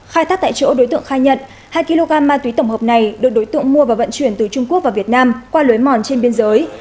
khai tác tại chỗ đối tượng khai nhận hai kg ma túy tổng hợp này được đối tượng mua và vận chuyển từ trung quốc vào việt nam qua lối mòn trên biên giới